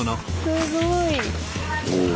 すごい。お。